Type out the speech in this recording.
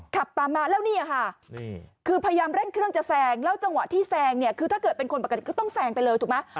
ขับตามมาแล้วนี่ค่ะคือพยายามเร่งเครื่องจะแซงแล้วจังหวะที่แซงเนี่ยคือถ้าเกิดเป็นคนปกติก็ต้องแซงไปเลยถูกไหม